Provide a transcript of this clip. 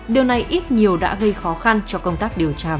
điều này ít nhiều đã gây khó khăn cho công tác